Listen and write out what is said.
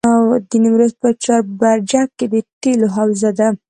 د نیمروز په چاربرجک کې د تیلو حوزه ده.